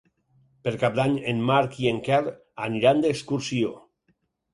Per Cap d'Any en Marc i en Quel aniran d'excursió.